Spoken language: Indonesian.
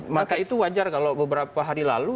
maka itu wajar kalau beberapa hari lalu